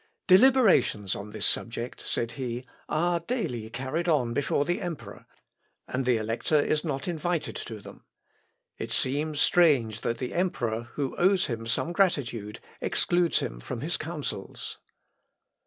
"Deliberations on this subject," said he, "are daily carried on before the emperor, and the Elector is not invited to them. It seems strange that the emperor, who owes him some gratitude, excludes him from his counsels."